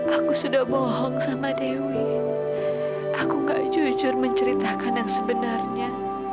aku sudah bohong sama dewi aku gak jujur menceritakan yang sebenarnya